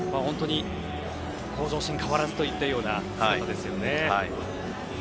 向上心変わらずといったような姿ですよね。